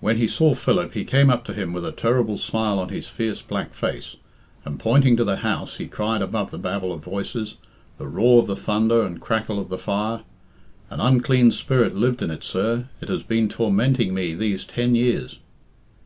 When he saw Philip, he came up to him with a terrible smile on his fierce black face, and, pointing to the house, he cried above the babel of voices, the roar of the thunder, and crackle of the fire, "An unclean spirit lived in it, sir. It has been tormenting me these ten years."